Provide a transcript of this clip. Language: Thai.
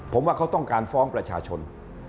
ผมว่าเขาต้องการฟ้องประชาชน